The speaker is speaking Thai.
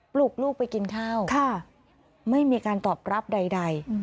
ลูกลูกไปกินข้าวไม่มีการตอบรับใด